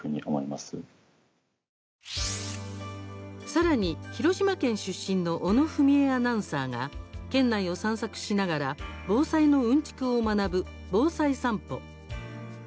さらに、広島県出身の小野文惠アナウンサーが県内を散策しながら、防災のうんちくを学ぶ「防災さんぽ」。